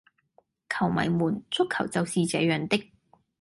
球迷們,足球就是這樣的